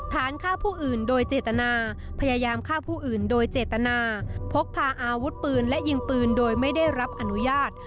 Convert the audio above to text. ฐานฆ่าผู้อื่นโดยเจตนาพยายามฆ่าผู้อื่นโดยเจตนาพกพาอาวุธปืนและยิงปืนโดยไม่ได้รับอนุญาต